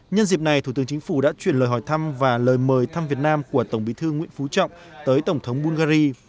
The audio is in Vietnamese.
nhân dịp này thủ tướng chính phủ đã chuyển lời hỏi thăm và lời mời thăm việt nam của tổng bí thư nguyễn phú trọng tới tổng thống bungary